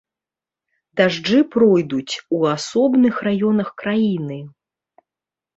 Дажджы пройдуць у асобных раёнах краіны.